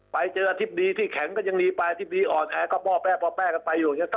ไปเจออธิบดีที่แข็งก็ยังดีไปอธิบดีอ่อนแอก็ป้อแป้ป้อแป้กันไปอยู่อย่างนี้